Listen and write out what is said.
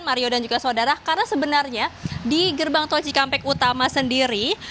mario dan juga saudara karena sebenarnya di gerbang tol cikampek utama sendiri